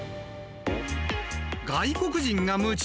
外国人が夢中！